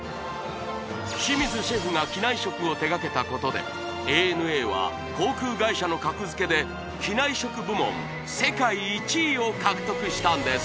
清水シェフが機内食を手掛けたことでＡＮＡは航空会社の格付けで機内食部門世界１位を獲得したんです